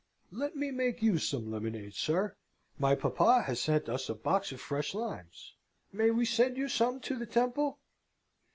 "Let me make you some lemonade, sir; my papa has sent us a box of fresh limes. May we send you some to the Temple?"